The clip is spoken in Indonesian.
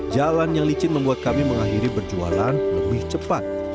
jalan yang licin membuat kami mengakhiri berjualan lebih cepat